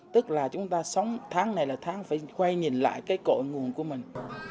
tức là chúng ta sống tháng này là tháng phải quay nhìn lại cái cội nguồn của mình